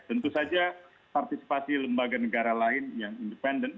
tentu saja partisipasi lembaga negara lain yang independen